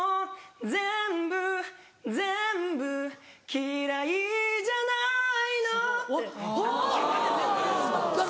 全部全部嫌いじゃないのあぁ！